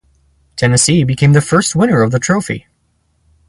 Tennessee became the first winner of the trophy.